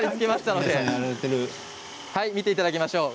見ていただきましょう。